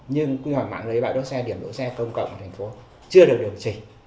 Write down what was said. nhưng quy hoạch mạng lưới bãi đỗ xe điểm đỗ xe công cộng của thành phố chưa được điều chỉnh